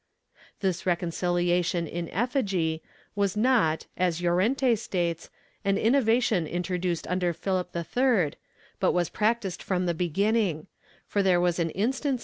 ^ This reconciliation in effigy, was not, as Llorente states, an innovation introduced under Philip III, but was practised from the beginning, for there was an instance » MSS.